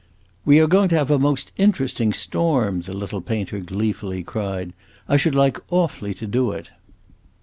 "We are going to have a most interesting storm," the little painter gleefully cried. "I should like awfully to do it."